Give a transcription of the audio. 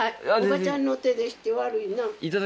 おばちゃんの手でして悪いな。